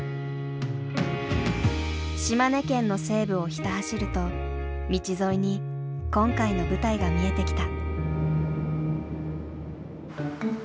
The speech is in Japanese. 島根県の西部をひた走ると道沿いに今回の舞台が見えてきた。